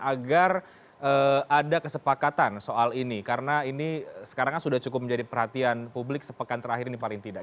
agar ada kesepakatan soal ini karena ini sekarang sudah cukup menjadi perhatian publik sepekan terakhir ini paling tidak